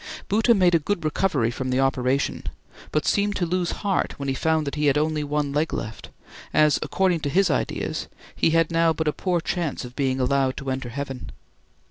Bhoota made a good recovery from the operation, but seemed to lose heart when he found that he had only one leg left, as according to his ideas he had now but a poor chance of being allowed to enter Heaven.